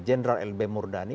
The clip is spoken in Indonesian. general lb murdani